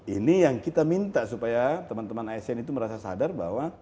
ini yang kita minta supaya teman teman asn itu merasa sadar bahwa